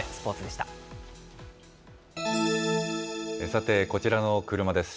さて、こちらの車です。